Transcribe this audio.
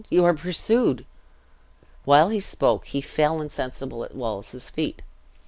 "You are pursued " While he spoke he felt insensible at Wallace's feet.